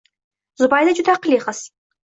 Zubayda juda aqlli qiz